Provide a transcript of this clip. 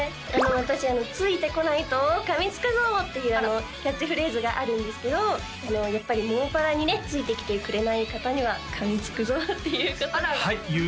私「ついてこないと噛みつくぞ」っていうキャッチフレーズがあるんですけどやっぱり桃パラにねついてきてくれない方には噛みつくぞっていうことではい勇敢